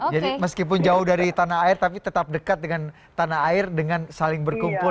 jadi meskipun jauh dari tanah air tapi tetap dekat dengan tanah air dengan saling berkumpul